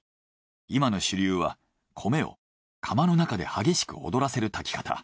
今の主流は米を釜の中で激しく踊らせる炊き方。